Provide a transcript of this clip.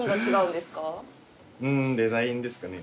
んーデザインですかね。